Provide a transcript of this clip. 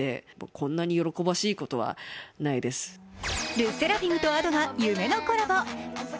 ＬＥＳＳＥＲＡＦＩＭとＡｄｏが夢のコラボ。